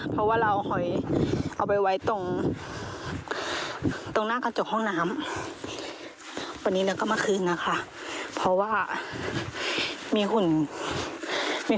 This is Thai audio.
แป๊บนึงนะเสียงแบบนี้